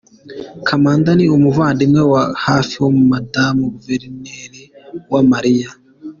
Kamanda ni umuvandimwe wa hafi wa madamu Guverineri Uwamariya.